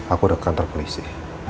aku dekat kantor polisi